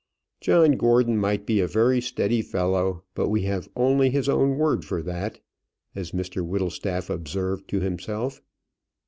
"John Gordon might be a very steady fellow; but we have only his own word for that," as Mr Whittlestaff observed to himself.